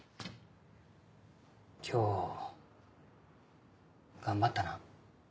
今日頑張ったな。